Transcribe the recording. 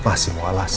pasti mau alasan